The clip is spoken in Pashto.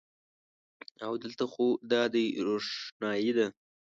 او د لته خو دادی روښنایې ده